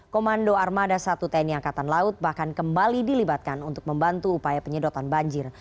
komando armada satu tni angkatan laut bahkan kembali dilibatkan untuk membantu upaya penyedotan banjir